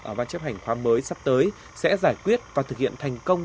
ở ban chấp hành khóa mới sắp tới sẽ giải quyết và thực hiện thành công